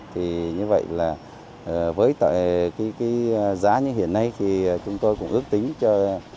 thì như vậy là với cái giá như hiện nay thì chúng tôi cũng ước tính cho